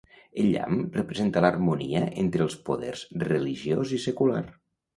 El llamp representa l'harmonia entre els poders religiós i secular.